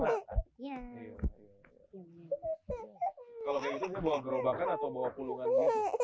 kalau kayak gitu saya bawa gerobakan atau bawa pulungan gitu